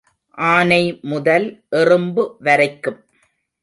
ஆனை முதல் எறும்பு வரைக்கும்.